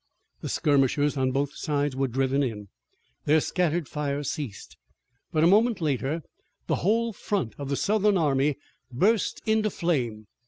The skirmishers on both sides were driven in. Their scattered fire ceased, but a moment later the whole front of the Southern army burst into flame.